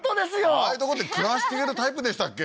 ああいうとこで暮らしていけるタイプでしたっけ？